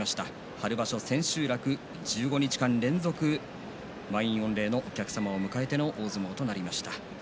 春場所千秋楽、１５日間連続満員御礼のお客様を迎えての大相撲となりました。